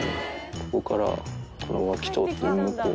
ここからこの脇通って向こう。